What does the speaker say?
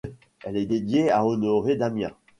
Elle est dédiée à Honoré d'Amiens.